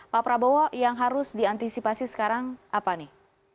pak prabowo yang harus diantisipasi sekarang apa nih